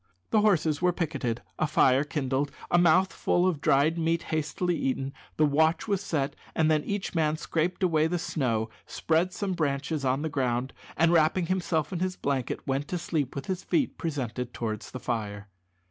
The horses were picketed, a fire kindled, a mouthful of dried meat hastily eaten, the watch was set, and then each man scraped away the snow, spread some branches on the ground, and wrapping himself in his blanket, went to sleep with his feet presented towards the fire.